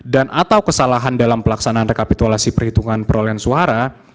dan atau kesalahan dalam pelaksanaan rekapitulasi perhitungan perolehan suara